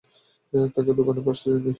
তাকে দোকানে পাস নি?